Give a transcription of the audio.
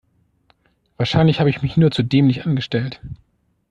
Wahrscheinlich habe ich mich nur zu dämlich angestellt.